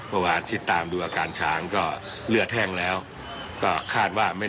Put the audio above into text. สวัสดีครับ